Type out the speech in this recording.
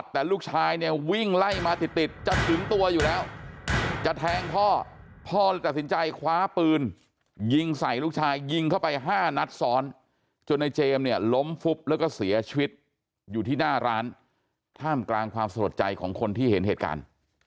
ตัวอยู่แล้วจะแทงพ่อพ่อตัดสินใจคว้าปืนยิงใส่ลูกชายยิงเข้าไปห้านัดซ้อนจนไอ้เจมส์เนี่ยหลมฟุบแล้วก็เสียชีวิตอยู่ที่หน้าร้านท่ามกลางความสะดวกใจของคนที่เห็นเหตุการณ์